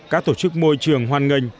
các tổ chức môi trường hoan nghênh